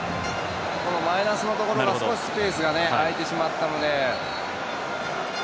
マイナスのところを少しスペースが空いてしまったので。